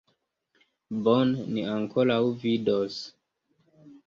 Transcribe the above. Bone, ni ankoraŭ vidos!